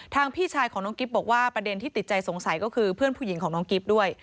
พี่ชายของน้องกิ๊บบอกว่าประเด็นที่ติดใจสงสัยก็คือเพื่อนผู้หญิงของน้องกิ๊บด้วย